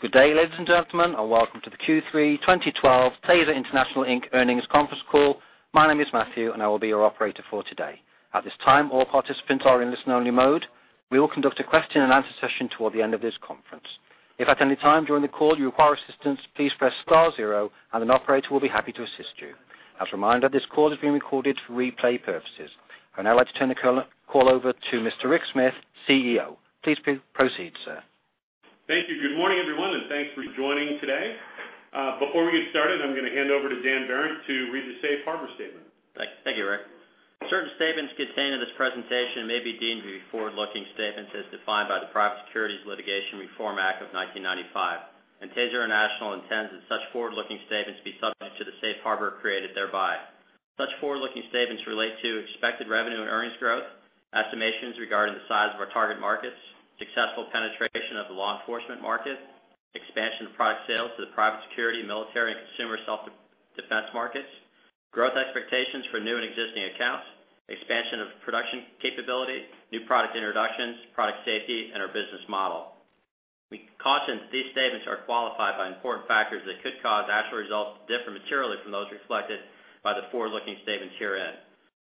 Good day, ladies and gentlemen, and welcome to the Q3 2012 TASER International Inc. earnings conference call. My name is Matthew, and I will be your operator for today. At this time, all participants are in listen only mode. We will conduct a question and answer session toward the end of this conference. If at any time during the call you require assistance, please press star zero and an operator will be happy to assist you. As a reminder, this call is being recorded for replay purposes. I would now like to turn the call over to Mr. Rick Smith, CEO. Please proceed, sir. Thank you. Good morning, everyone, and thanks for joining today. Before we get started, I am going to hand over to Dan Behrendt to read the safe harbor statement. Thank you, Rick. Certain statements contained in this presentation may be deemed to be forward-looking statements as defined by the Private Securities Litigation Reform Act of 1995. TASER International intends that such forward-looking statements be subject to the safe harbor created thereby. Such forward-looking statements relate to expected revenue and earnings growth, estimations regarding the size of our target markets, successful penetration of the law enforcement market, expansion of product sales to the private security, military, and consumer self-defense markets, growth expectations for new and existing accounts, expansion of production capability, new product introductions, product safety, and our business model. We caution that these statements are qualified by important factors that could cause actual results to differ materially from those reflected by the forward-looking statements herein.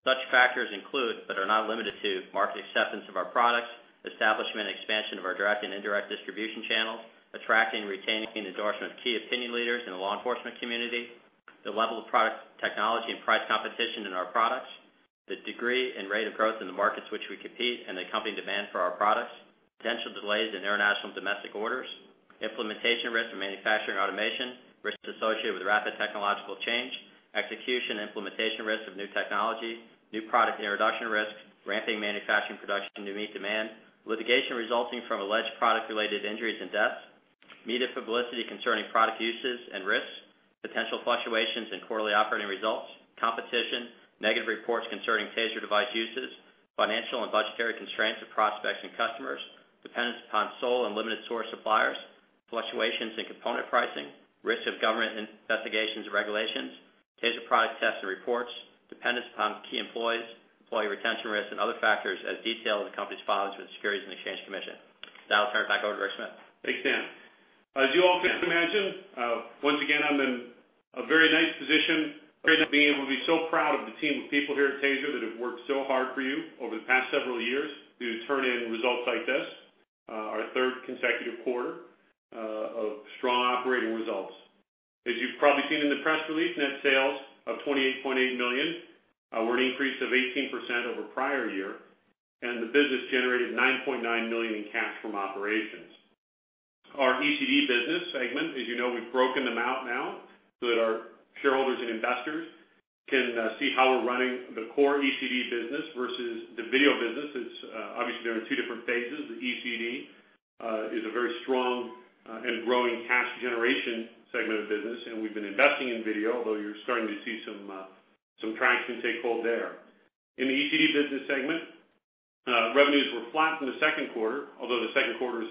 Such factors include, but are not limited to, market acceptance of our products, establishment and expansion of our direct and indirect distribution channels, attracting, retaining, and endorsement of key opinion leaders in the law enforcement community, the level of product technology and price competition in our products, the degree and rate of growth in the markets which we compete and the accompanying demand for our products, potential delays in international and domestic orders, implementation risk and manufacturing automation, risks associated with rapid technological change, execution and implementation risk of new technology, new product introduction risk, ramping manufacturing production to meet demand, litigation resulting from alleged product related injuries and deaths, media publicity concerning product uses and risks, potential fluctuations in quarterly operating results, competition, negative reports concerning TASER device uses, financial and budgetary constraints of prospects and customers, dependence upon sole and limited source suppliers, fluctuations in component pricing, risk of government investigations and regulations, TASER product tests and reports, dependence upon key employees, employee retention risk, and other factors as detailed in the company's filings with the Securities and Exchange Commission. I'll turn it back over to Rick Smith. Thanks, Dan. As you all can imagine, once again, I'm in a very nice position being able to be so proud of the team of people here at TASER that have worked so hard for you over the past several years to turn in results like this, our third consecutive quarter of strong operating results. As you've probably seen in the press release, net sales of $28.8 million were an increase of 18% over prior year, and the business generated $9.9 million in cash from operations. Our ECD business segment, you know, we've broken them out now so that our shareholders and investors can see how we're running the core ECD business versus the video business. Obviously, they're in two different phases. The ECD is a very strong and growing cash generation segment of the business, and we've been investing in video, although you're starting to see some traction take hold there. In the ECD business segment, revenues were flat from the second quarter, although the second quarter is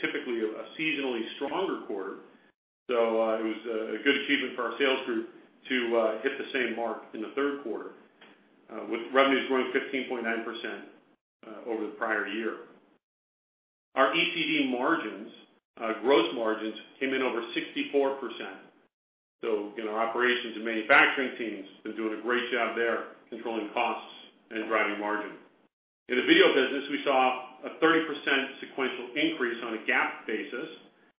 typically a seasonally stronger quarter. It was a good achievement for our sales group to hit the same mark in the third quarter, with revenues growing 15.9% over the prior year. Our ECD margins, gross margins, came in over 64%. Again, our operations and manufacturing teams been doing a great job there controlling costs and driving margin. In the video business, we saw a 30% sequential increase on a GAAP basis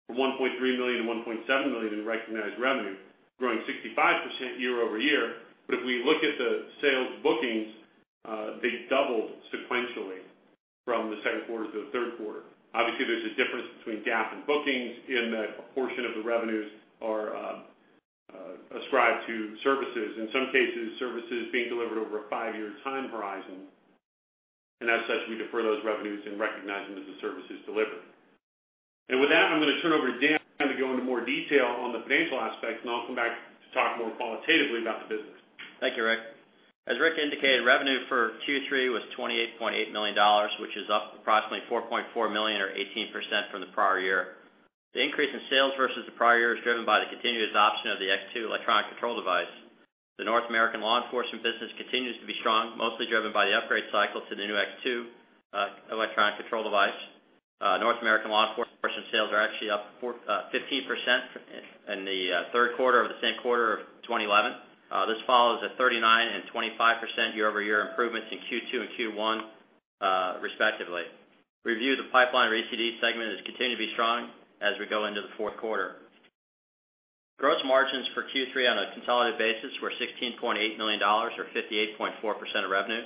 from $1.3 million to $1.7 million in recognized revenue, growing 65% year-over-year. If we look at the sales bookings, they doubled sequentially from the second quarter to the third quarter. Obviously, there's a difference between GAAP and bookings in that a portion of the revenues are ascribed to services, in some cases, services being delivered over a five-year time horizon. As such, we defer those revenues and recognize them as the service is delivered. With that, I'm going to turn over to Dan to go into more detail on the financial aspects, and I'll come back to talk more qualitatively about the business. Thank you, Rick. As Rick indicated, revenue for Q3 was $28.8 million, which is up approximately $4.4 million or 18% from the prior year. The increase in sales versus the prior year is driven by the continuous adoption of the X2 electronic control device. The North American law enforcement business continues to be strong, mostly driven by the upgrade cycle to the new X2 electronic control device. North American law enforcement sales are actually up 15% in the third quarter over the same quarter of 2011. This follows a 39% and 25% year-over-year improvements in Q2 and Q1, respectively. Review of the pipeline for ECD segment has continued to be strong as we go into the fourth quarter. Gross margins for Q3 on a consolidated basis were $16.8 million or 58.4% of revenue,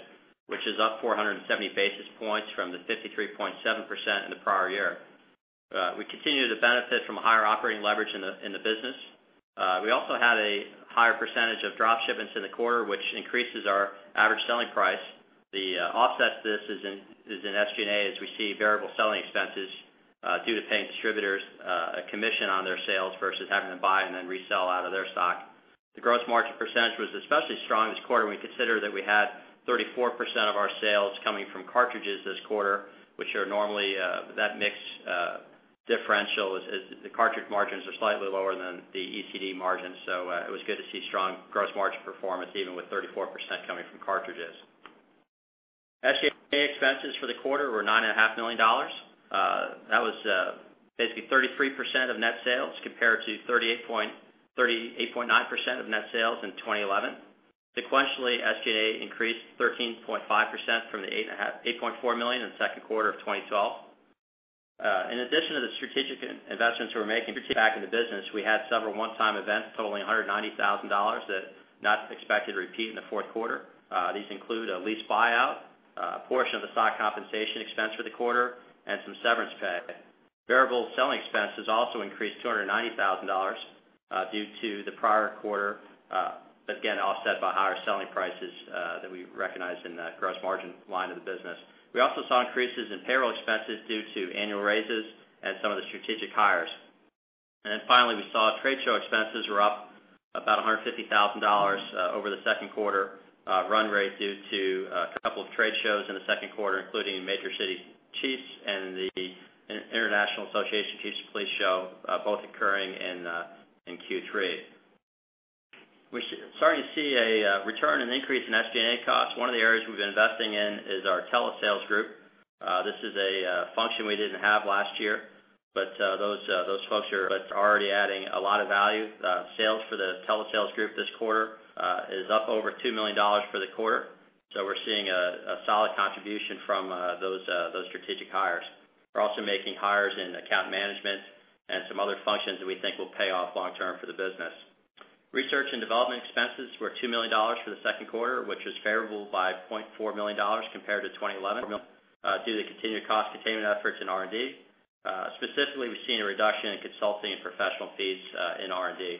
which is up 470 basis points from the 53.7% in the prior year. We continue to benefit from a higher operating leverage in the business. We also had a higher percentage of drop shipments in the quarter, which increases our average selling price. The offset to this is in SG&A, as we see variable selling expenses due to paying distributors a commission on their sales versus having them buy and then resell out of their stock. The gross margin percentage was especially strong this quarter when we consider that we had 34% of our sales coming from cartridges this quarter, which are normally that mix differential. The cartridge margins are slightly lower than the ECD margins. It was good to see strong gross margin performance, even with 34% coming from cartridges. SG&A expenses for the quarter were $9.5 million. That was basically 33% of net sales compared to 38.9% of net sales in 2011. Sequentially, SG&A increased 13.5% from the $8.4 million in the second quarter of 2012. In addition to the strategic investments we're making back in the business, we had several one-time events totaling $190,000 that are not expected to repeat in the fourth quarter. These include a lease buyout, a portion of the stock compensation expense for the quarter, and some severance pay. Variable selling expenses also increased $290,000 due to the prior quarter. Again, offset by higher selling prices that we recognized in the gross margin line of the business. We also saw increases in payroll expenses due to annual raises and some of the strategic hires. Finally, we saw trade show expenses were up about $150,000 over the second quarter run rate due to a couple of trade shows in the second quarter, including Major City Chiefs and the International Association of Chiefs of Police show, both occurring in Q3. We're starting to see a return and increase in SG&A costs. One of the areas we've been investing in is our telesales group. This is a function we didn't have last year, but those folks are already adding a lot of value. Sales for the telesales group this quarter is up over $2 million for the quarter. We're seeing a solid contribution from those strategic hires. We're also making hires in account management and some other functions that we think will pay off long term for the business. Research and development expenses were $2 million for the second quarter, which was favorable by $0.4 million compared to 2011, due to continued cost containment efforts in R&D. Specifically, we've seen a reduction in consulting and professional fees in R&D.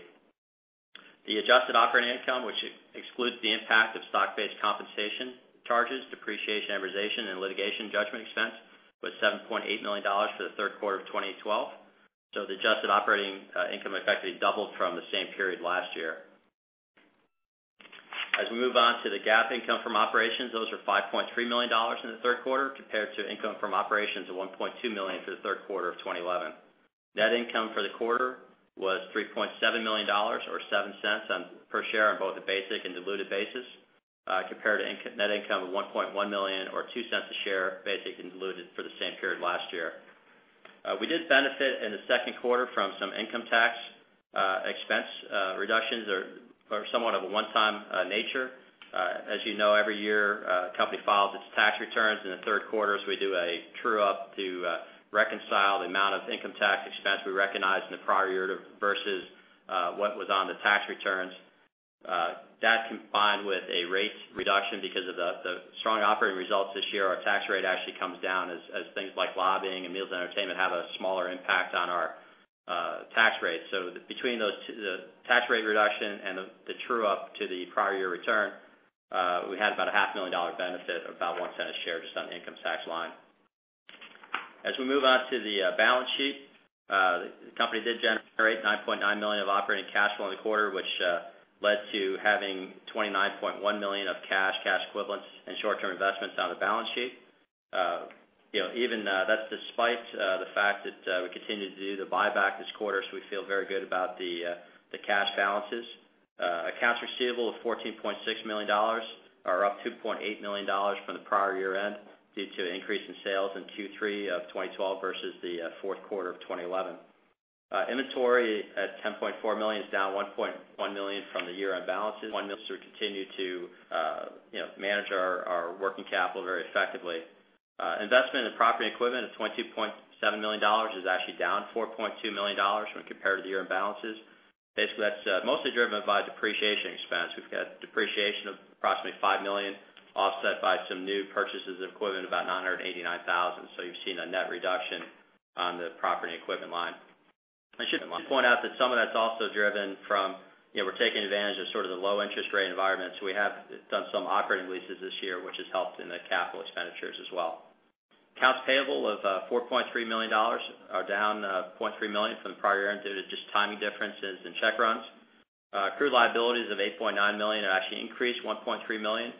The adjusted operating income, which excludes the impact of stock-based compensation charges, depreciation, amortization, and litigation judgment expense, was $7.8 million for the third quarter of 2012. The adjusted operating income effectively doubled from the same period last year. As we move on to the GAAP income from operations, those were $5.3 million in the third quarter compared to income from operations of $1.2 million for the third quarter of 2011. Net income for the quarter was $3.7 million or $0.07 per share on both a basic and diluted basis, compared to net income of $1.1 million or $0.02 a share, basic and diluted, for the same period last year. We did benefit in the second quarter from some income tax expense reductions are somewhat of a one-time nature. As you know, every year a company files its tax returns. In the third quarter, we do a true-up to reconcile the amount of income tax expense we recognized in the prior year versus what was on the tax returns. That, combined with a rate reduction because of the strong operating results this year, our tax rate actually comes down as things like lobbying and meals and entertainment have a smaller impact on our tax rate. Between the tax rate reduction and the true-up to the prior year return, we had about a half a million dollar benefit of about $0.01 a share just on the income tax line. As we move on to the balance sheet, the company did generate $9.9 million of operating cash flow in the quarter, which led to having $29.1 million of cash equivalents, and short-term investments on the balance sheet. That's despite the fact that we continued to do the buyback this quarter, we feel very good about the cash balances. Accounts receivable of $14.6 million are up $2.8 million from the prior year-end due to an increase in sales in Q3 of 2012 versus the fourth quarter of 2011. Inventory at $10.4 million is down $1.1 million from the year-end balances. We continue to manage our working capital very effectively. Investment in property equipment of $22.7 million is actually down $4.2 million when compared to the year-end balances. Basically, that's mostly driven by depreciation expense. We've got depreciation of approximately $5 million, offset by some new purchases of equipment, about $989,000. You've seen a net reduction on the property equipment line. I should point out that some of that's also driven from, we're taking advantage of sort of the low interest rate environment. We have done some operating leases this year, which has helped in the capital expenditures as well. Accounts payable of $4.3 million are down $0.3 million from the prior year-end due to just timing differences in check runs. Accrued liabilities of $8.9 million are actually increased $1.3 million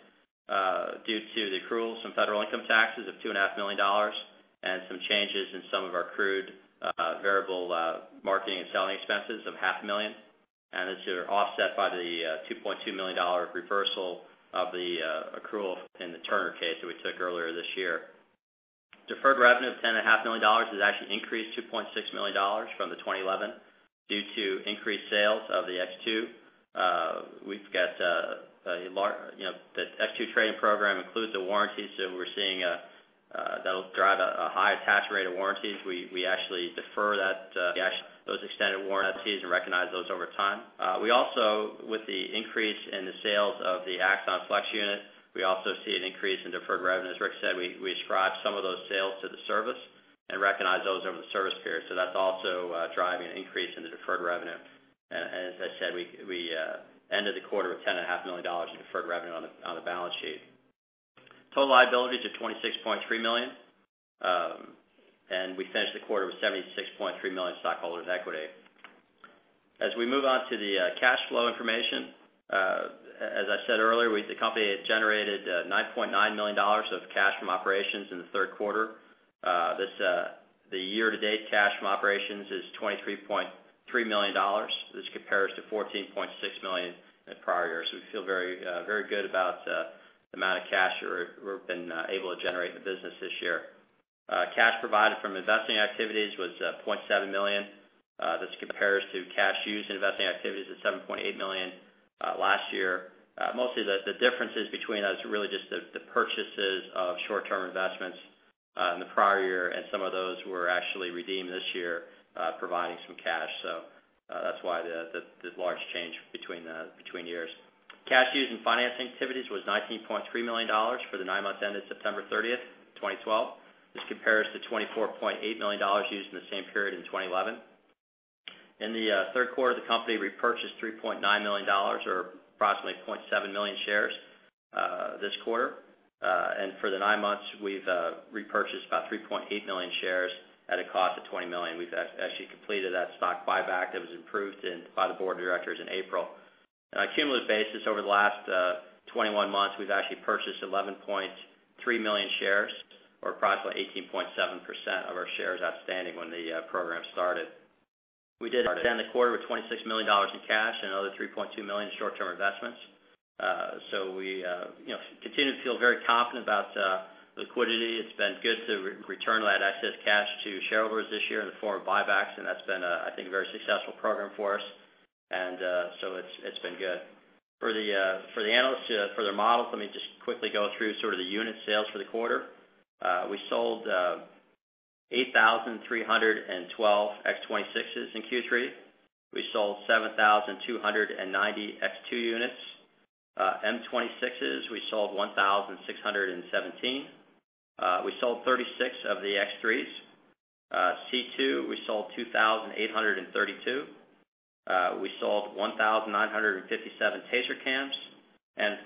due to the accruals from federal income taxes of $2.5 million and some changes in some of our accrued variable marketing and selling expenses of half a million. That's offset by the $2.2 million reversal of the accrual in the Turner case that we took earlier this year. Deferred revenue of $10.5 million is actually increased $2.6 million from 2011 due to increased sales of the X2. The X2 training program includes the warranty. That'll drive a high attach rate of warranties. We actually defer those extended warranties and recognize those over time. With the increase in the sales of the Axon Flex unit, we also see an increase in deferred revenue. As Rick said, we ascribe some of those sales to the service and recognize those over the service period. That's also driving an increase in the deferred revenue. As I said, we ended the quarter with $10.5 million in deferred revenue on the balance sheet. Total liabilities are $26.3 million. We finished the quarter with $76.3 million stockholders' equity. As we move on to the cash flow information, as I said earlier, the company had generated $9.9 million of cash from operations in the third quarter. The year-to-date cash from operations is $23.3 million. This compares to $14.6 million in prior years. We feel very good about the amount of cash we've been able to generate in the business this year. Cash provided from investing activities was $20.7 million. This compares to cash used in investing activities at $7.8 million last year. Mostly, the differences between us are really just the purchases of short-term investments in the prior year. Some of those were actually redeemed this year, providing some cash. That's why the large change between years. Cash used in financing activities was $19.3 million for the nine months ended September 30th, 2012. This compares to $24.8 million used in the same period in 2011. In the third quarter, the company repurchased $3.9 million or approximately 0.7 million shares this quarter. For the nine months, we've repurchased about 3.8 million shares at a cost of $20 million. We've actually completed that stock buyback that was approved by the board of directors in April. On a cumulative basis, over the last 21 months, we've actually purchased 11.3 million shares or approximately 18.7% of our shares outstanding when the program started. We did end the quarter with $26 million in cash and another $3.2 million in short-term investments. We continue to feel very confident about liquidity. It's been good to return that excess cash to shareholders this year in the form of buybacks. That's been a very successful program for us. It's been good. For the analysts, for their models, let me just quickly go through sort of the unit sales for the quarter. We sold 8,312 X26s in Q3. We sold 7,290 X2 units. M26s, we sold 1,617. We sold 36 of the X3s. C2, we sold 2,832. We sold 1,957 TASER Cams.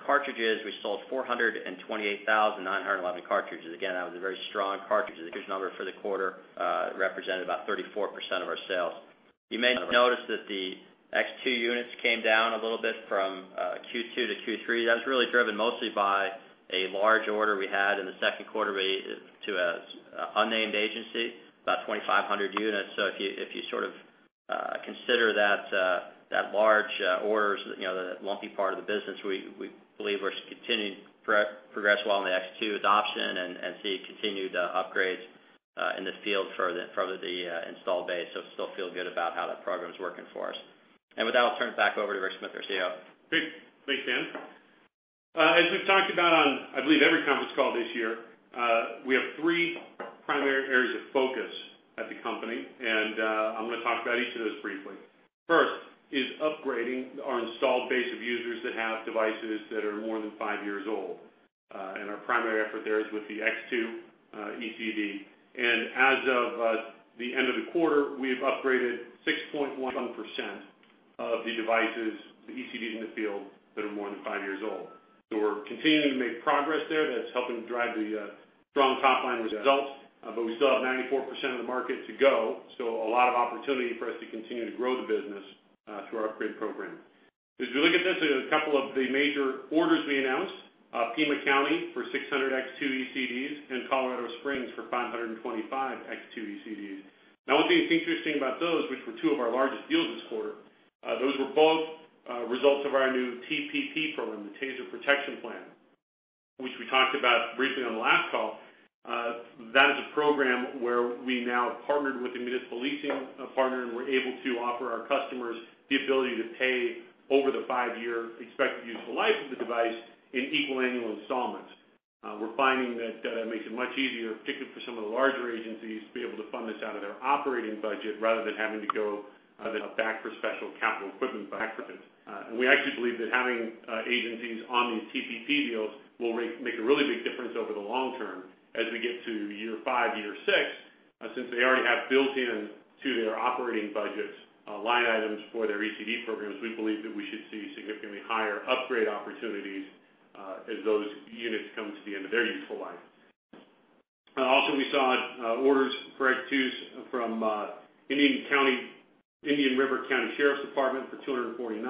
Cartridges, we sold 428,911 cartridges. Again, that was a very strong cartridges number for the quarter, represented about 34% of our sales. You may have noticed that the X2 units came down a little bit from Q2 to Q3. That was really driven mostly by a large order we had in the second quarter to an unnamed agency, about 2,500 units. If you sort of consider that large order, the lumpy part of the business, we believe we're continuing to progress well on the X2 adoption and see continued upgrades in the field for the installed base. Still feel good about how that program's working for us. With that, I'll turn it back over to Rick Smith, our CEO. Great. Thanks, Dan. As we've talked about on, I believe, every conference call this year, we have three primary areas of focus at the company, and I'm going to talk about each of those briefly. First is upgrading our installed base of users that have devices that are more than five years old. Our primary effort there is with the X2 ECD. As of the end of the quarter, we've upgraded 6.1% of the devices, the ECDs in the field that are more than five years old. We're continuing to make progress there. That's helping to drive the strong top-line results. We still have 94% of the market to go, a lot of opportunity for us to continue to grow the business through our upgrade program. As we look at this, a couple of the major orders we announced, Pima County for 600 X2 ECDs and Colorado Springs for 525 X2 ECDs. One thing that's interesting about those, which were two of our largest deals this quarter, those were both results of our new TPP program, the TASER Protection Plan, which we talked about briefly on the last call. That is a program where we now partnered with a municipal leasing partner, and we're able to offer our customers the ability to pay over the five-year expected useful life of the device in equal annual installments. We're finding that makes it much easier, particularly for some of the larger agencies, to be able to fund this out of their operating budget rather than having to go back for special capital equipment budgets. We actually believe that having agencies on these TPP deals will make a really big difference over the long term as we get to year five, year six, since they already have built in to their operating budgets line items for their ECD programs. We believe that we should see significantly higher upgrade opportunities, as those units come to the end of their useful life. Also, we saw orders for X2s from Indian River County Sheriff's Office for 249,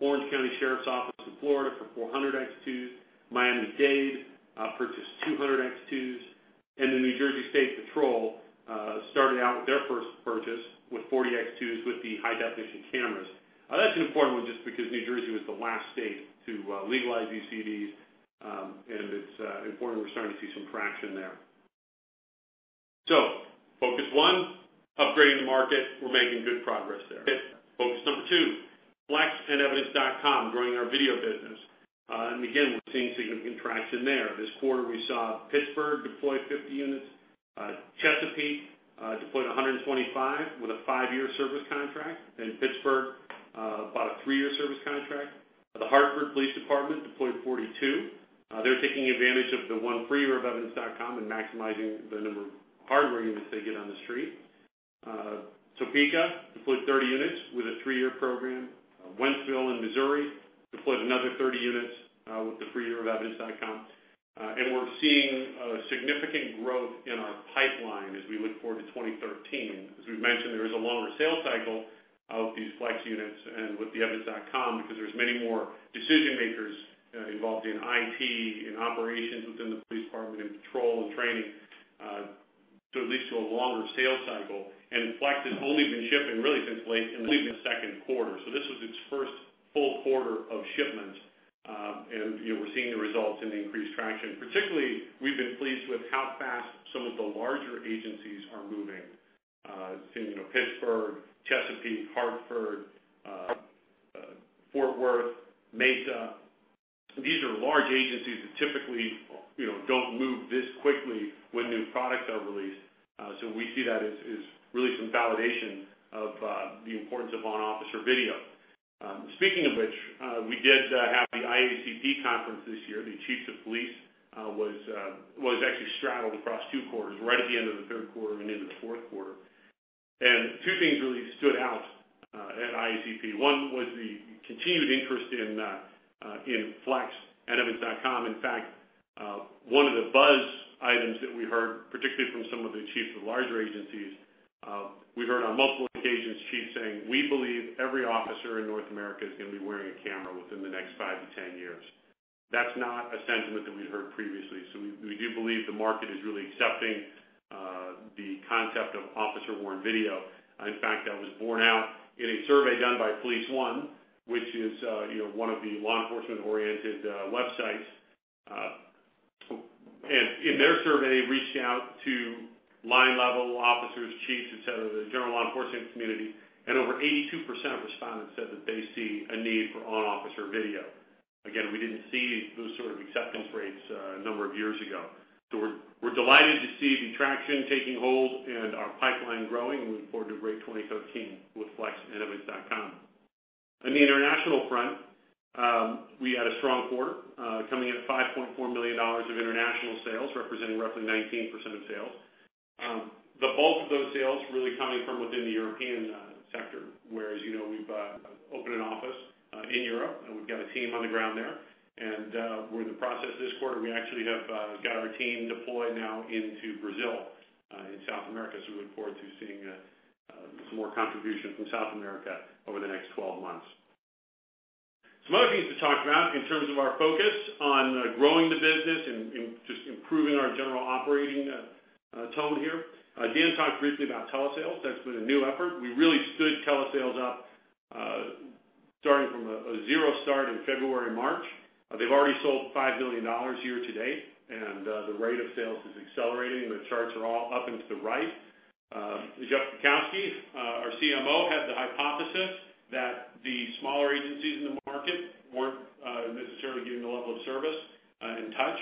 Orange County Sheriff's Office in Florida for 400 X2s, Miami-Dade purchased 200 X2s, and the New Jersey State Police started out with their first purchase with 40 X2s with the high-definition cameras. That's an important one just because New Jersey was the last state to legalize ECDs, and it's important we're starting to see some traction there. Focus one, upgrading the market. We're making good progress there. Focus number 2, Flex and Evidence.com growing our video business. Again, we're seeing significant traction there. This quarter, we saw Pittsburgh deploy 50 units. Chesapeake deployed 125 with a five-year service contract. Pittsburgh bought a three-year service contract. The Hartford Police Department deployed 42. They're taking advantage of the one free year of Evidence.com and maximizing the number of hardware units they get on the street. Topeka deployed 30 units with a three-year program. Wentzville in Missouri deployed another 30 units with the free year of Evidence.com. We're seeing significant growth in our pipeline. Look forward to 2013. As we've mentioned, there is a longer sales cycle of these Flex units and with the Evidence.com because there's many more decision-makers involved in IT, in operations within the police department, in patrol and training, so it leads to a longer sales cycle. Flex has only been shipping really since late in the second quarter. This was its first full quarter of shipments. We're seeing the results in the increased traction. Particularly, we've been pleased with how fast some of the larger agencies are moving. Seeing Pittsburgh, Chesapeake, Hartford, Fort Worth, Mesa. These are large agencies that typically don't move this quickly when new products are released. We see that as really some validation of the importance of on-officer video. Speaking of which, we did have the IACP conference this year. The Chiefs of Police was actually straddled across two quarters, right at the end of the third quarter and into the fourth quarter. Two things really stood out at IACP. One was the continued interest in Flex and Evidence.com. In fact, one of the buzz items that we heard, particularly from some of the chiefs of larger agencies, we heard on multiple occasions, chiefs saying, "We believe every officer in North America is going to be wearing a camera within the next five to 10 years." That's not a sentiment that we'd heard previously. We do believe the market is really accepting the concept of officer-worn video. In fact, that was borne out in a survey done by PoliceOne, which is one of the law enforcement-oriented websites. In their survey, reached out to line-level officers, chiefs, et cetera, the general law enforcement community, and over 82% of respondents said that they see a need for on-officer video. Again, we didn't see those sort of acceptance rates a number of years ago. We're delighted to see the traction taking hold and our pipeline growing. We look forward to a great 2013 with Flex and Evidence.com. On the international front, we had a strong quarter, coming in at $5.4 million of international sales, representing roughly 19% of sales. The bulk of those sales really coming from within the European sector, where, as you know, we've opened an office in Europe, and we've got a team on the ground there. We're in the process this quarter, we actually have got our team deployed now into Brazil, in South America. We look forward to seeing some more contribution from South America over the next 12 months. Some other things to talk about in terms of our focus on growing the business and just improving our general operating tone here. Dan talked briefly about telesales. That's been a new effort. We really stood telesales up, starting from a zero start in February, March. They've already sold $5 million year to date. The rate of sales is accelerating, and the charts are all up and to the right. Jeff Kunins, our CMO, had the hypothesis that the smaller agencies in the market weren't necessarily getting the level of service and touch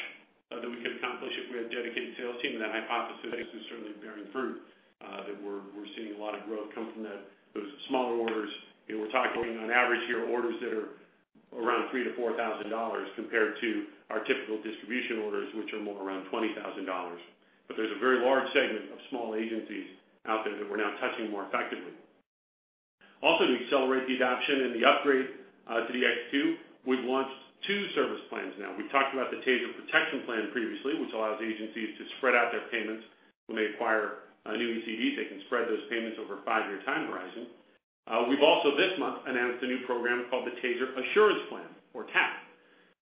that we could accomplish if we had a dedicated sales team. That hypothesis is certainly bearing fruit, that we're seeing a lot of growth come from those smaller orders. We're talking on average here orders that are around $3,000-$4,000 compared to our typical distribution orders, which are more around $20,000. There's a very large segment of small agencies out there that we're now touching more effectively. Also, to accelerate the adoption and the upgrade to the X2, we've launched two service plans now. We've talked about the TASER Protection Plan previously, which allows agencies to spread out their payments when they acquire a new ECD. They can spread those payments over a 5-year time horizon. We've also, this month, announced a new program called the TASER Assurance Plan, or TAP.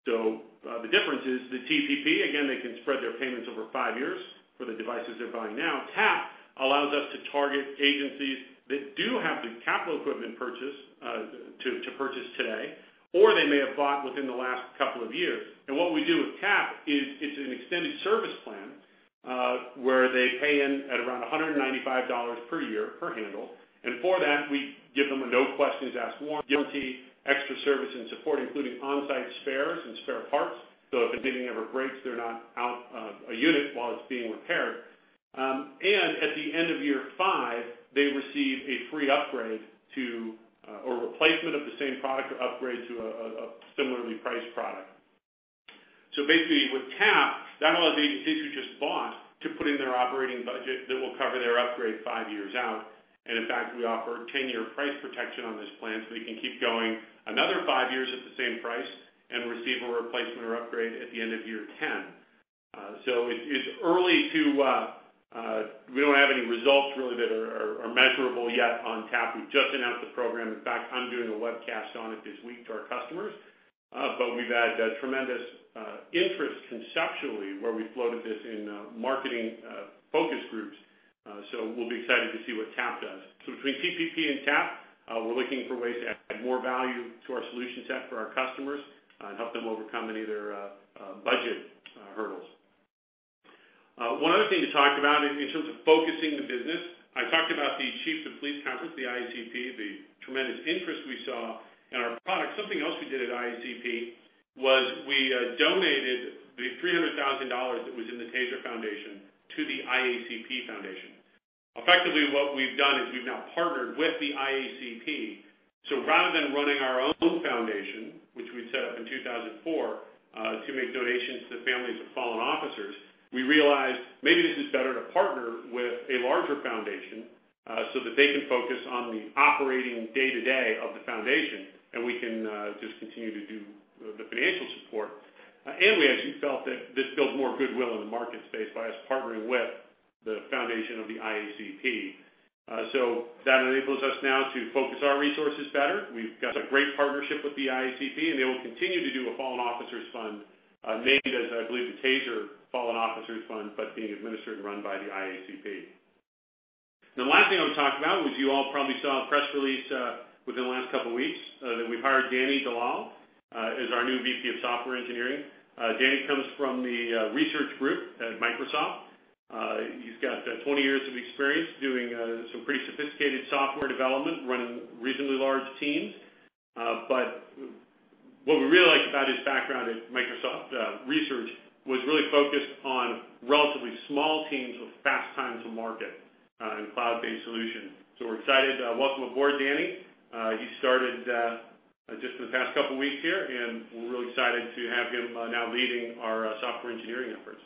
The difference is the TPP, again, they can spread their payments over 5 years for the devices they're buying now. TAP allows us to target agencies that do have the capital equipment to purchase today, or they may have bought within the last couple of years. What we do with TAP is it's an extended service plan, where they pay in at around $195 per year per handle. For that, we give them a no-questions-asked warranty, extra service, and support, including on-site spares and spare parts. If anything ever breaks, they're not out of a unit while it's being repaired. At the end of year 5, they receive a free upgrade to, or replacement of the same product, or upgrade to a similarly priced product. Basically, with TAP, that allows agencies who just bought to put in their operating budget that will cover their upgrade 5 years out. In fact, we offer 10-year price protection on this plan, so they can keep going another 5 years at the same price and receive a replacement or upgrade at the end of year 10. We don't have any results really that are measurable yet on TAP. We've just announced the program. In fact, I'm doing a webcast on it this week to our customers. We've had tremendous interest conceptually where we floated this in marketing focus groups. We'll be excited to see what TAP does. Between TPP and TAP, we're looking for ways to add more value to our solution set for our customers and help them overcome any of their budget hurdles. One other thing to talk about in terms of focusing the business, I talked about the Chiefs of Police conference, the IACP, the tremendous interest we saw in our product. Something else we did at IACP was we donated the $300,000 that was in the TASER Foundation to the IACP Foundation. Effectively, what we've done is we've now partnered with the IACP. Rather than running our own foundation, which we'd set up in 2004, to make donations to the families of fallen officers, we realized maybe this is better to partner with a larger foundation, that they can focus on the operating day-to-day of the foundation, and we can just continue to do the financial support. We actually felt that this builds more goodwill in the market space by us partnering with the foundation of the IACP. That enables us now to focus our resources better. We've got a great partnership with the IACP, and they will continue to do a fallen officers fund, named as, I believe, the TASER Fallen Officers Fund, but being administered and run by the IACP. The last thing I want to talk about, which you all probably saw in a press release within the last couple of weeks, that we've hired Danny Dalal as our new VP of Software Engineering. Danny comes from the research group at Microsoft. He's got 20 years of experience doing some pretty sophisticated software development, running reasonably large teams. What we really liked about his background at Microsoft Research was really focused on relatively small teams with fast time to market and cloud-based solutions. We're excited to welcome aboard Danny. He started just in the past couple weeks here, and we're really excited to have him now leading our software engineering efforts.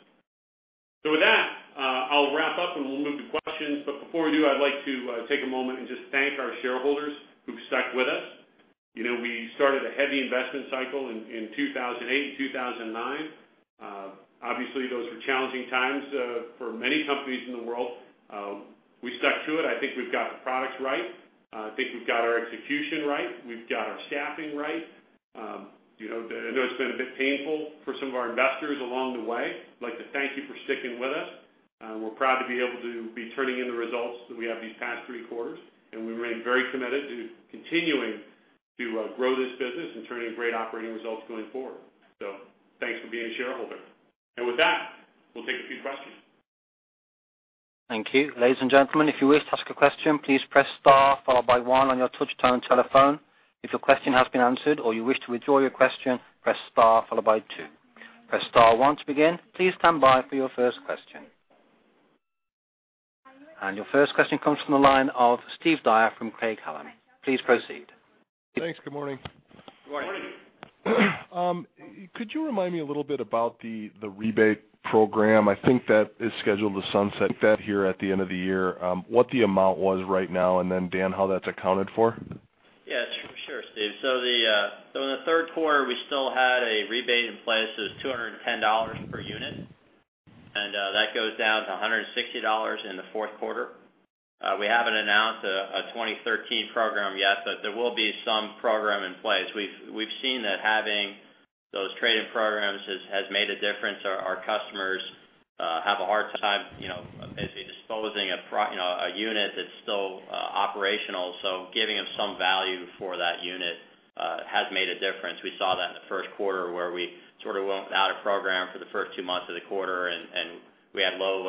With that, I'll wrap up and we'll move to questions. Before we do, I'd like to take a moment and just thank our shareholders who've stuck with us. We started a heavy investment cycle in 2008 and 2009. Obviously, those were challenging times for many companies in the world. We stuck to it. I think we've got the products right. I think we've got our execution right. We've got our staffing right. I know it's been a bit painful for some of our investors along the way. I'd like to thank you for sticking with us. We're proud to be able to be turning in the results that we have these past three quarters, and we remain very committed to continuing to grow this business and turning great operating results going forward. Thanks for being a shareholder. With that, we'll take a few questions. Thank you. Ladies and gentlemen, if you wish to ask a question, please press star followed by one on your touch tone telephone. If your question has been answered or you wish to withdraw your question, press star followed by two. Press star one to begin. Please stand by for your first question. Your first question comes from the line of Steve Dyer from Craig-Hallum. Please proceed. Thanks. Good morning. Good morning. Could you remind me a little bit about the rebate program, I think that is scheduled to sunset here at the end of the year, what the amount was right now and then, Dan, how that's accounted for? Sure, Steve. In the third quarter, we still had a rebate in place. It was $210 per unit. That goes down to $160 in the fourth quarter. We haven't announced a 2013 program yet. There will be some program in place. We've seen that having those trade-in programs has made a difference. Our customers have a hard time disposing of a unit that's still operational, so giving them some value for that unit has made a difference. We saw that in the first quarter where we sort of went without a program for the first two months of the quarter and we had low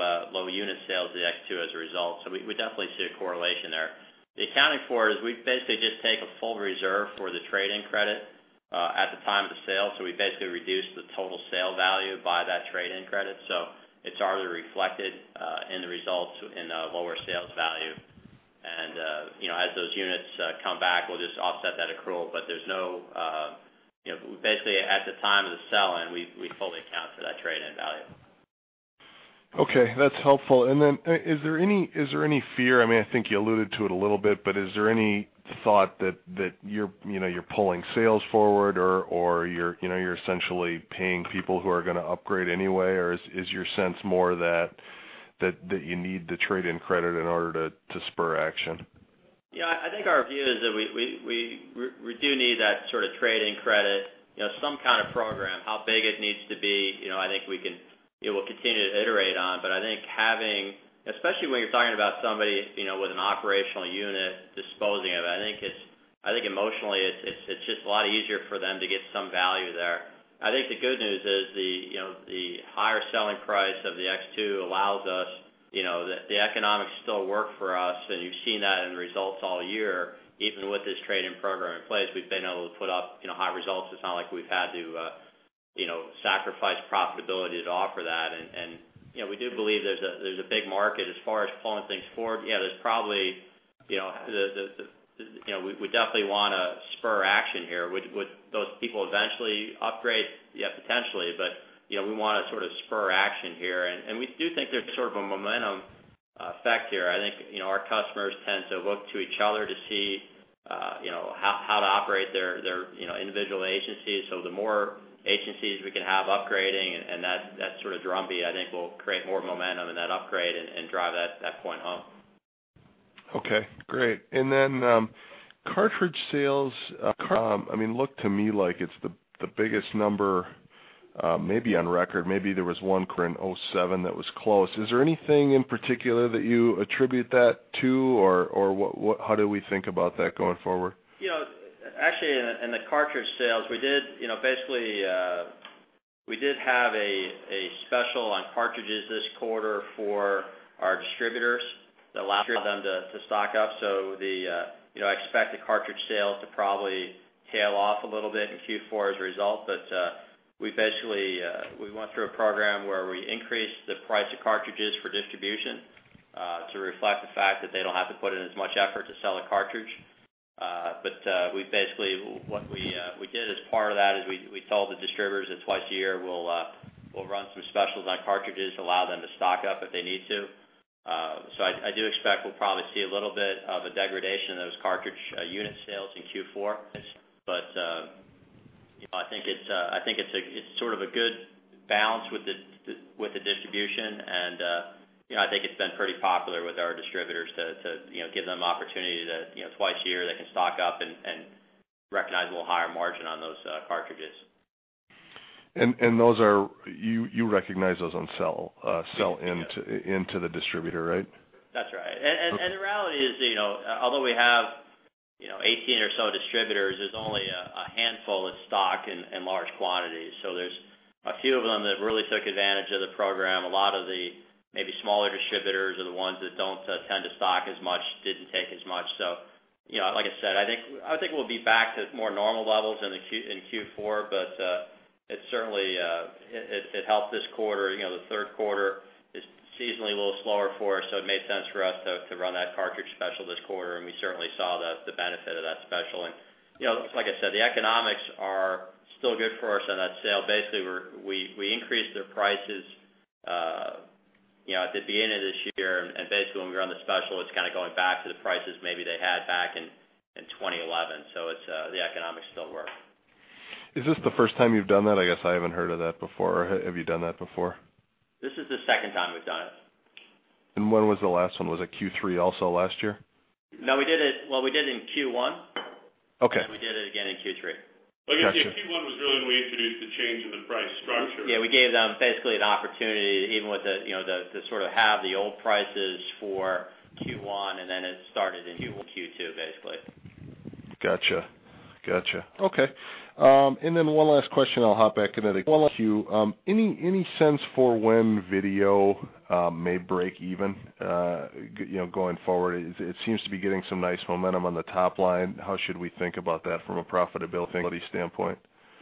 unit sales of the X2 as a result. We definitely see a correlation there. The accounting for it is we basically just take a full reserve for the trade-in credit at the time of the sale. We basically reduce the total sale value by that trade-in credit. It's already reflected in the results in the lower sales value. As those units come back, we'll just offset that accrual. Basically, at the time of the selling, we fully account for that trade-in value. Okay, that's helpful. Is there any fear, I think you alluded to it a little bit, but is there any thought that you're pulling sales forward, or you're essentially paying people who are going to upgrade anyway? Is your sense more that you need the trade-in credit in order to spur action? I think our view is that we do need that sort of trade-in credit, some kind of program. How big it needs to be, I think we'll continue to iterate on. I think having, especially when you're talking about somebody with an operational unit disposing of it, I think emotionally, it's just a lot easier for them to get some value there. I think the good news is the higher selling price of the X2 allows us, the economics still work for us, and you've seen that in results all year. Even with this trade-in program in place, we've been able to put up high results. It's not like we've had to sacrifice profitability to offer that. We do believe there's a big market as far as pulling things forward. We definitely want to spur action here. Would those people eventually upgrade? Potentially, but we want to sort of spur action here, and we do think there's sort of a momentum effect here. I think our customers tend to look to each other to see how to operate their individual agencies. The more agencies we can have upgrading and that sort of drumbeat, I think will create more momentum in that upgrade and drive that point home. Okay, great. Cartridge sales, I mean, look to me like it's the biggest number, maybe on record. Maybe there was one in 2007 that was close. Is there anything in particular that you attribute that to? How do we think about that going forward? Actually, in the cartridge sales, basically, we did have a special on cartridges this quarter for our distributors that allowed them to stock up. I expect the cartridge sales to probably tail off a little bit in Q4 as a result. We basically went through a program where we increased the price of cartridges for distribution to reflect the fact that they don't have to put in as much effort to sell a cartridge. Basically, what we did as part of that is we told the distributors that twice a year we'll run some specials on cartridges to allow them to stock up if they need to. I do expect we'll probably see a little bit of a degradation in those cartridge unit sales in Q4. I think it's sort of a good balance with the distribution, and I think it's been pretty popular with our distributors to give them opportunity to, twice a year, they can stock up and recognize a little higher margin on those cartridges. You recognize those on sell into the distributor, right? The reality is, although we have 18 or so distributors, there's only a handful that stock in large quantities. There's a few of them that really took advantage of the program. A lot of the maybe smaller distributors are the ones that don't tend to stock as much, didn't take as much. Like I said, I think we'll be back to more normal levels in Q4, but it helped this quarter. The third quarter is seasonally a little slower for us, so it made sense for us to run that cartridge special this quarter, and we certainly saw the benefit of that special. Like I said, the economics are still good for us on that sale. Basically, we increased their prices at the beginning of this year. Basically when we run the special, it's kind of going back to the prices maybe they had back in 2011. The economics still work. Is this the first time you've done that? I guess I haven't heard of that before. Have you done that before? This is the second time we've done it. When was the last one? Was it Q3 also last year? No, we did it in Q1. Okay. We did it again in Q3. Gotcha. Well, I guess, yeah, Q1 was really when we introduced the change in the price structure. Yeah, we gave them basically an opportunity, even to sort of have the old prices for Q1, and then it started in Q2, basically. Gotcha. Okay. One last question, I'll hop back in the queue. Any sense for when video may break even going forward? It seems to be getting some nice momentum on the top line. How should we think about that from a profitability standpoint?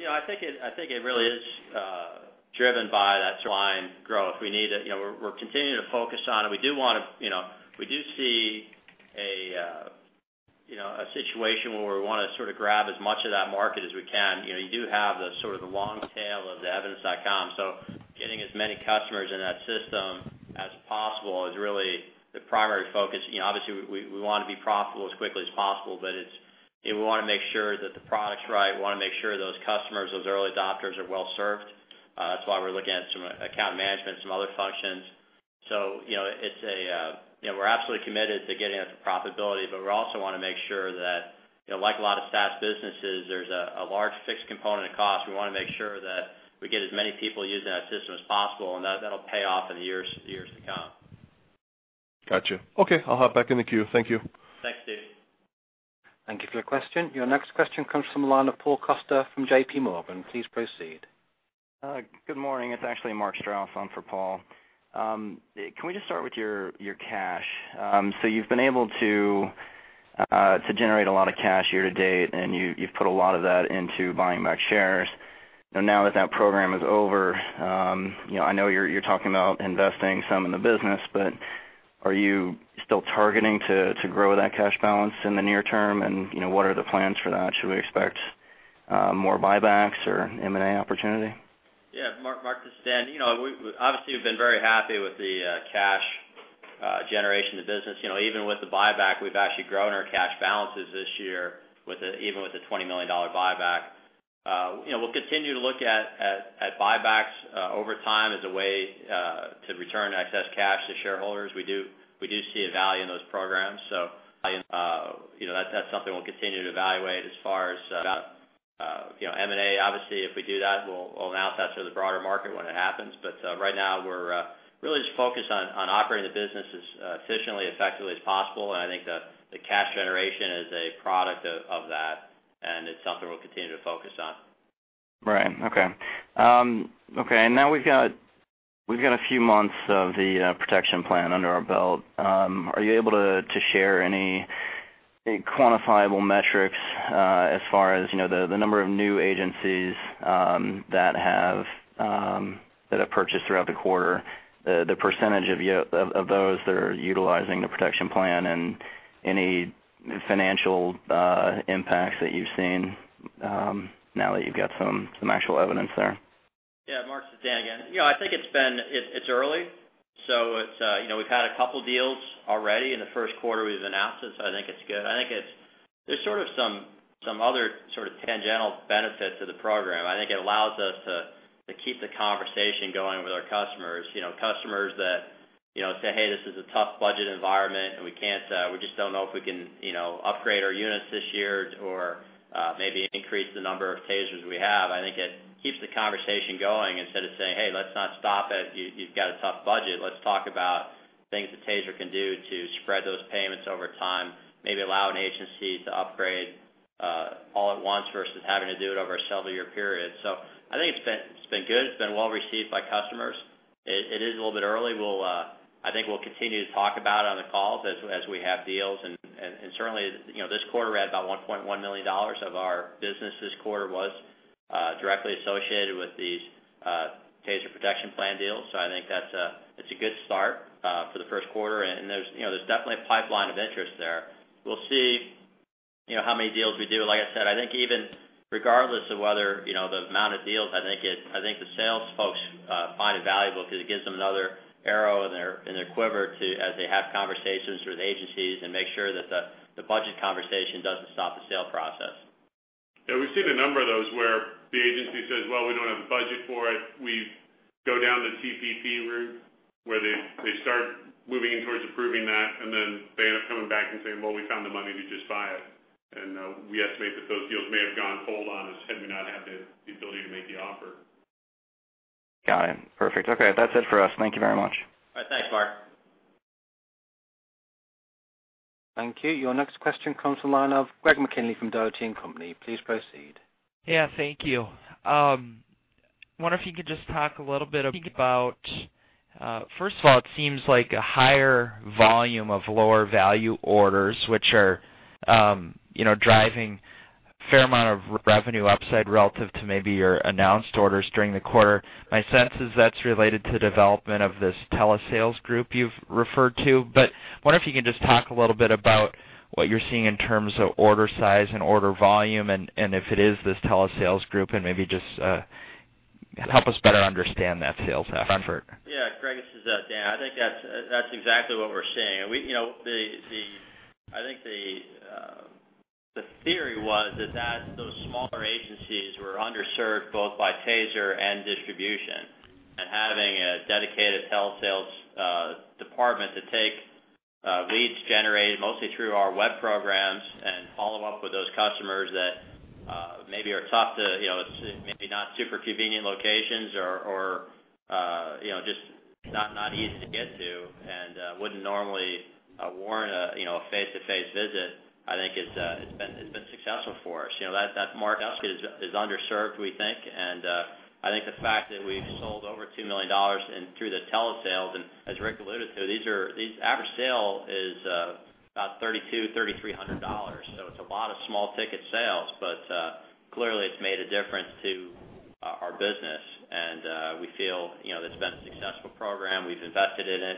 I think it really is driven by that line growth. We're continuing to focus on it. We do see a situation where we want to sort of grab as much of that market as we can. You do have the sort of the long tail of the Evidence.com, getting as many customers in that system as possible is really the primary focus. Obviously, we want to be profitable as quickly as possible, but we want to make sure that the product's right. We want to make sure those customers, those early adopters, are well-served. That's why we're looking at some account management, some other functions. We're absolutely committed to getting it to profitability, but we also want to make sure that, like a lot of SaaS businesses, there's a large fixed component of cost. We want to make sure that we get as many people using that system as possible, and that'll pay off in the years to come. Gotcha. Okay, I'll hop back in the queue. Thank you. Thanks, Steve. Thank you for your question. Your next question comes from the line of Paul Coster from JPMorgan. Please proceed. Good morning. It's actually Mark Strouse on for Paul. Can we just start with your cash? You've been able to generate a lot of cash year to date, and you've put a lot of that into buying back shares. Now that that program is over, I know you're talking about investing some in the business, but are you still targeting to grow that cash balance in the near term? What are the plans for that? Should we expect more buybacks or M&A opportunity? Mark, this is Dan. Obviously, we've been very happy with the cash generation of the business. Even with the buyback, we've actually grown our cash balances this year, even with the $20 million buyback. We'll continue to look at buybacks over time as a way to return excess cash to shareholders. We do see a value in those programs, so that's something we'll continue to evaluate. As far as M&A, obviously, if we do that, we'll announce that to the broader market when it happens. Right now, we're really just focused on operating the business as efficiently, effectively as possible. I think the cash generation is a product of that, and it's something we'll continue to focus on. Right. Okay. Now we've got a few months of the TASER Protection Plan under our belt. Are you able to share any quantifiable metrics as far as the number of new agencies that have purchased throughout the quarter, the percentage of those that are utilizing the TASER Protection Plan, and any financial impacts that you've seen now that you've got some actual evidence there? Yeah, Mark, this is Dan again. I think it's early. We've had a couple deals already in the first quarter we've announced it, so I think it's good. There's sort of some other sort of tangential benefit to the program. I think it allows us to keep the conversation going with our customers. Customers that say, "Hey, this is a tough budget environment, and we just don't know if we can upgrade our units this year or maybe increase the number of TASERs we have." I think it keeps the conversation going. Instead of saying, "Hey, let's not stop it. You've got a tough budget. Let's talk about things that TASER can do to spread those payments over time." Maybe allow an agency to upgrade all at once versus having to do it over a several year period. I think it's been good. It's been well received by customers. It is a little bit early. I think we'll continue to talk about it on the calls as we have deals, and certainly this quarter we had about $1.1 million of our business this quarter was directly associated with these TASER Protection Plan deals. I think that's a good start for the first quarter, and there's definitely a pipeline of interest there. We'll see how many deals we do. Like I said, I think even regardless of the amount of deals, I think the sales folks find it valuable because it gives them another arrow in their quiver as they have conversations with agencies and make sure that the budget conversation doesn't stop the sale process. We've seen a number of those where the agency says, "Well, we don't have the budget for it." We go down the TPP route, where they start moving towards approving that, then they end up coming back and saying, "Well, we found the money. Could you just buy it?" We estimate that those deals may have gone cold on us had we not had the ability to make the offer. Got it. Perfect. Okay, that's it for us. Thank you very much. All right. Thanks, Mark. Thank you. Your next question comes from the line of Greg McKinley from Dougherty & Company. Please proceed. Thank you. Wonder if you could just talk a little bit about, first of all, it seems like a higher volume of lower value orders, which are driving a fair amount of revenue upside relative to maybe your announced orders during the quarter. My sense is that's related to the development of this telesales group you've referred to. Wonder if you can just talk a little bit about what you're seeing in terms of order size and order volume, and if it is this telesales group, and maybe just help us better understand that sales effort. Yeah, Greg, this is Dan. I think that's exactly what we're seeing. I think the theory was that, those smaller agencies were underserved both by TASER and distribution. Having a dedicated telesales department to take leads generated mostly through our web programs and follow up with those customers that maybe are tough to maybe not super convenient locations or just not easy to get to and wouldn't normally warrant a face-to-face visit, I think it's been successful for us. That market is underserved, we think, and I think the fact that we've sold over $2 million through the telesales, and as Rick alluded to, these average sale is about $3,200, $3,300. It's a lot of small ticket sales, but clearly it's made a difference to our business. We feel that it's been a successful program. We've invested in it.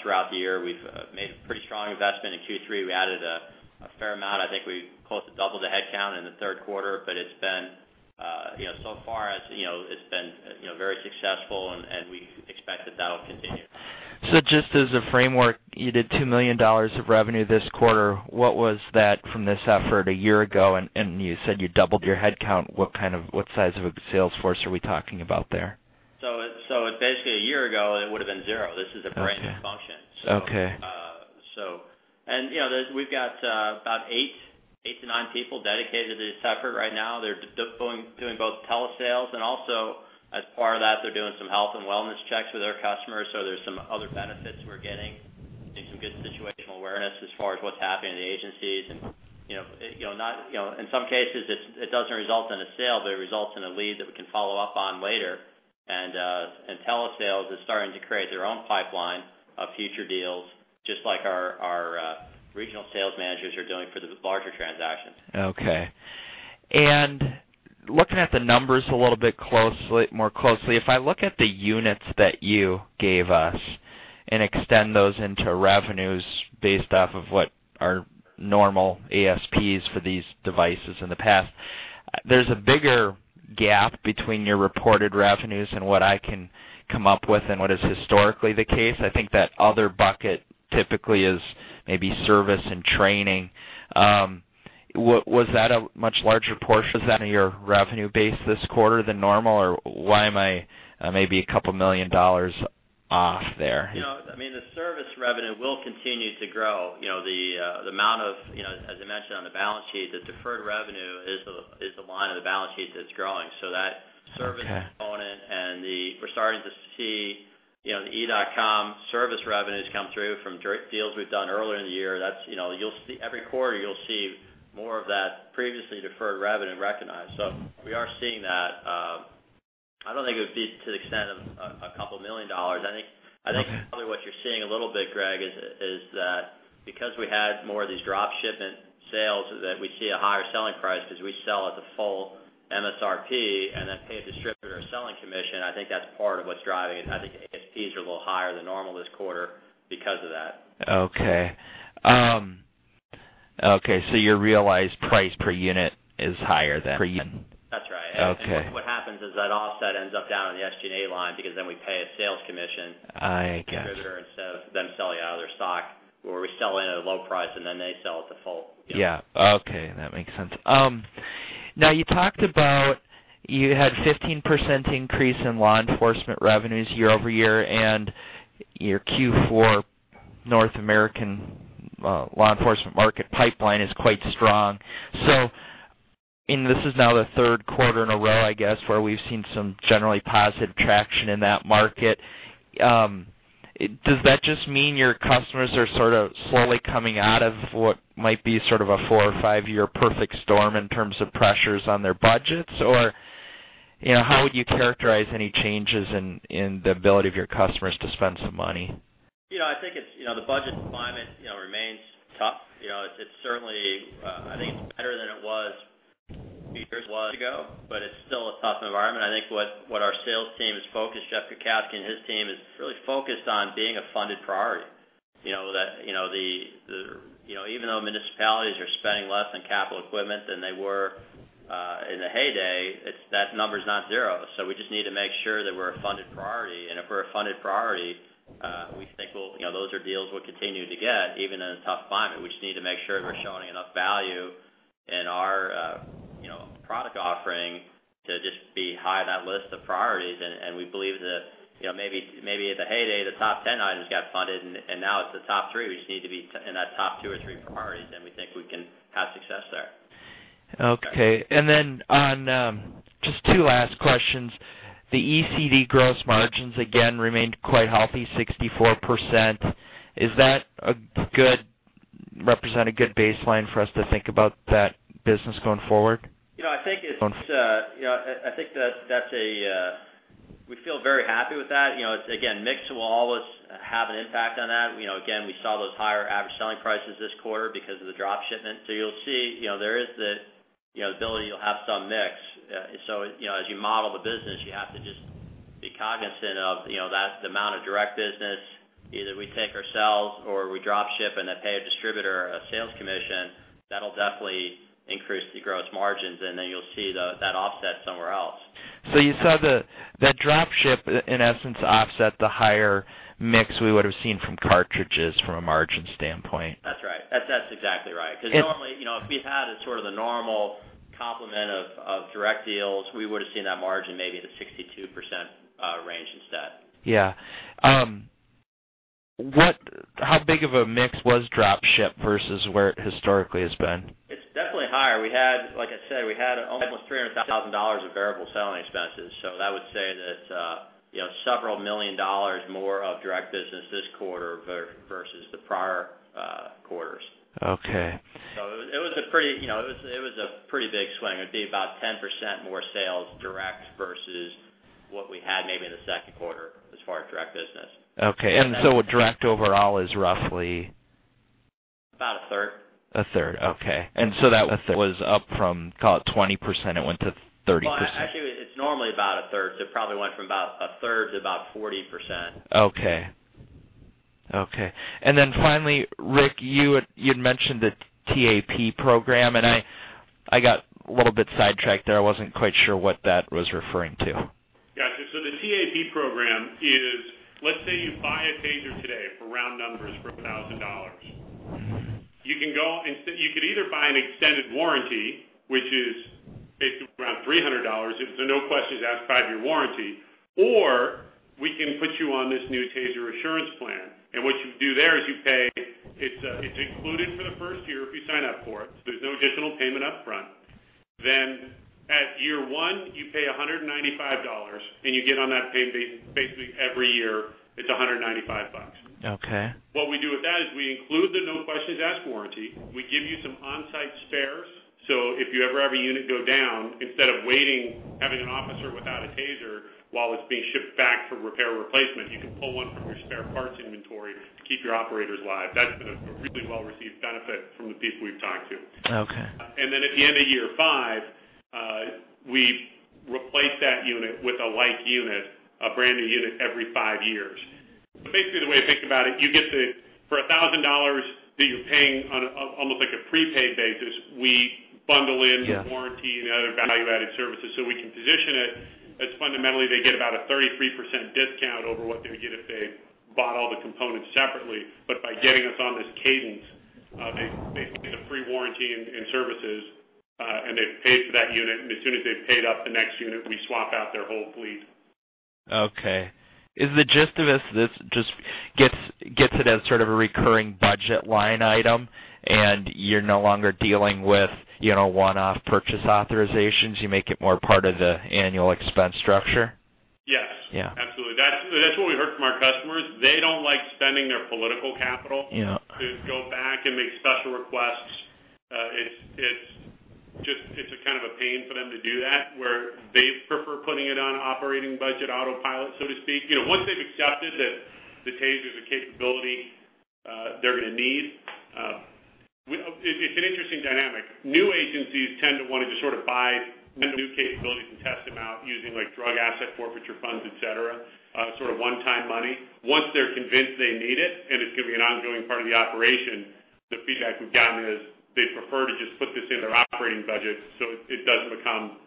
Throughout the year, we've made a pretty strong investment. In Q3, we added a fair amount. I think we close to double the headcount in the third quarter, but it's been very successful, and we expect that that will continue. Just as a framework, you did $2 million of revenue this quarter. What was that from this effort a year ago? You said you doubled your headcount. What size of a sales force are we talking about there? Basically, a year ago, it would've been zero. This is a brand new function. Okay. We've got about 8-9 people dedicated to this effort right now. They're doing both telesales, and also as part of that, they're doing some health and wellness checks with our customers. There's some other benefits we're getting and some good situational awareness as far as what's happening in the agencies. In some cases, it doesn't result in a sale, but it results in a lead that we can follow up on later. Telesales is starting to create their own pipeline of future deals, just like our regional sales managers are doing for the larger transactions. Okay. Looking at the numbers a little bit more closely, if I look at the units that you gave us and extend those into revenues based off of what our normal ASPs for these devices in the past, there's a bigger gap between your reported revenues and what I can come up with and what is historically the case. I think that other bucket typically is maybe service and training. Was that a much larger portion? Was that your revenue base this quarter than normal, or why am I maybe a couple million dollars off there? The service revenue will continue to grow. As I mentioned on the balance sheet, the deferred revenue is the line on the balance sheet that's growing. That service component and we're starting to see the Evidence.com service revenues come through from deals we've done earlier in the year. Every quarter, you'll see more of that previously deferred revenue recognized. We are seeing that. I don't think it would be to the extent of a couple million dollars. Okay. I think probably what you're seeing a little bit, Greg, is that because we had more of these drop shipment sales, that we see a higher selling price because we sell at the full MSRP and then pay a distributor a selling commission. I think that's part of what's driving it. I think ASPs are a little higher than normal this quarter because of that. Okay. Your realized price per unit is higher then? That's right. Okay. What happens is that offset ends up down in the SG&A line because then we pay a sales commission. I guess to the distributor instead of them selling out of their stock, or we sell in at a low price, and then they sell at the full. Yeah. Okay. That makes sense. You talked about you had 15% increase in law enforcement revenues year-over-year, and your Q4 North American law enforcement market pipeline is quite strong. This is now the third quarter in a row, I guess, where we've seen some generally positive traction in that market. Does that just mean your customers are sort of slowly coming out of what might be sort of a four or five-year perfect storm in terms of pressures on their budgets? Or how would you characterize any changes in the ability of your customers to spend some money? I think it's the budget environment. It's certainly, I think, better than it was a few years ago, but it's still a tough environment. I think what our sales team is focused, Jeff Kukowski and his team, is really focused on being a funded priority. Even though municipalities are spending less on capital equipment than they were in the heyday, that number's not zero. We just need to make sure that we're a funded priority. If we're a funded priority, we think those are deals we'll continue to get, even in a tough environment. We just need to make sure we're showing enough value in our product offering to just be high on that list of priorities. We believe that maybe at the heyday, the top 10 items got funded, and now it's the top three. We just need to be in that top two or three priorities, and we think we can have success there. Okay. Just two last questions. The ECD gross margins, again, remained quite healthy, 64%. Is that represent a good baseline for us to think about that business going forward? I think that we feel very happy with that. Again, mix will always have an impact on that. Again, we saw those higher average selling prices this quarter because of the drop shipment. You'll see, there is the ability, you'll have some mix. As you model the business, you have to just be cognizant of the amount of direct business, either we take ourselves or we drop ship and then pay a distributor a sales commission. That'll definitely increase the gross margins, and then you'll see that offset somewhere else. You saw that drop ship, in essence, offset the higher mix we would've seen from cartridges from a margin standpoint? That's right. That's exactly right. Normally, if we had a sort of the normal complement of direct deals, we would've seen that margin maybe at a 62% range instead. Yeah. How big of a mix was drop ship versus where it historically has been? It's definitely higher. Like I said, we had almost $300,000 of variable selling expenses. That would say that several million dollars more of direct business this quarter versus the prior quarters. Okay. It was a pretty big swing. It'd be about 10% more sales direct versus what we had maybe in the second quarter as far as direct business. Okay. direct overall is roughly? About a third. A third, okay. that was up from, call it, 20%, it went to 30%? Well, actually, it's normally about a third, so it probably went from about a third to about 40%. Okay. Finally, Rick, you had mentioned the TAP program, and I got a little bit sidetracked there. I wasn't quite sure what that was referring to. Gotcha. The TAP program is, let's say you buy a TASER today, for round numbers, for $1,000. You could either buy an extended warranty, which is basically around $300. It's a no-questions-asked five-year warranty. Or we can put you on this new TASER Assurance Plan. What you do there is you pay, it's included for the first year if you sign up for it, so there's no additional payment upfront. At year one, you pay $195, you get on that pay basically every year, it's $195. Okay. What we do with that is we include the no-questions-asked warranty. We give you some on-site spares, so if you ever have a unit go down, instead of waiting, having an officer without a TASER while it's being shipped back for repair or replacement, you can pull one from your spare parts inventory to keep your operators live. That's been a really well-received benefit from the people we've talked to. Okay. At the end of year five, we replace that unit with a like unit, a brand-new unit every five years. Basically, the way to think about it, you get to, for $1,000 that you're paying on almost like a prepaid basis, we bundle in- Yeah the warranty and other value-added services so we can position it as fundamentally, they get about a 33% discount over what they would get if they bought all the components separately. By getting us on this cadence, they basically get a free warranty and services, and they've paid for that unit. As soon as they've paid up the next unit, we swap out their whole fleet. Okay. Is the gist of this just gets it as sort of a recurring budget line item, and you're no longer dealing with one-off purchase authorizations? You make it more part of the annual expense structure? Yes. Yeah. Absolutely. That's what we heard from our customers. They don't like spending their political capital. Yeah To go back and make special requests. It's a kind of a pain for them to do that, where they prefer putting it on operating budget autopilot, so to speak. Once they've accepted that the TASERs are a capability they're gonna need. It's an interesting dynamic. New agencies tend to want to just sort of buy new capabilities and test them out using drug asset forfeiture funds, et cetera, sort of one-time money. Once they're convinced they need it and it's going to be an ongoing part of the operation, the feedback we've gotten is they prefer to just put this in their operating budget so it doesn't become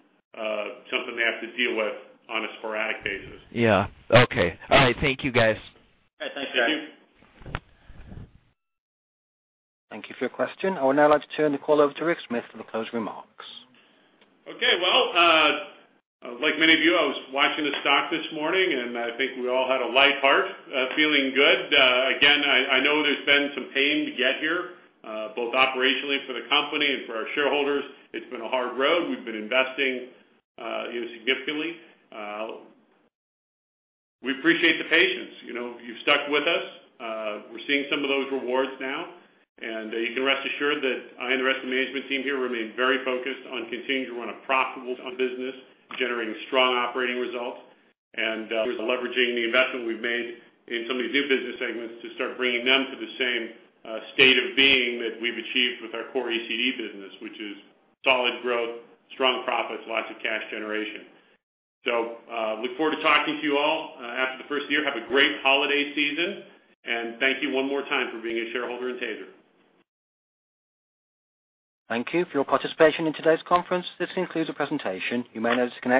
something they have to deal with on a sporadic basis. Yeah. Okay. All right. Thank you guys. All right. Thank you. Yeah. Thank you for your question. I would now like to turn the call over to Rick Smith for the closing remarks. Okay. Well, like many of you, I was watching the stock this morning, I think we all had a light heart, feeling good. Again, I know there's been some pain to get here, both operationally for the company and for our shareholders. It's been a hard road. We've been investing significantly. We appreciate the patience. You've stuck with us. We're seeing some of those rewards now, and you can rest assured that I and the rest of the management team here remain very focused on continuing to run a profitable business, generating strong operating results. We're also leveraging the investment we've made in some of the new business segments to start bringing them to the same state of being that we've achieved with our core ECD business, which is solid growth, strong profits, lots of cash generation. Look forward to talking to you all after the first of the year. Have a great holiday season, and thank you one more time for being a shareholder in TASER. Thank you for your participation in today's conference. This concludes the presentation. You may now disconnect.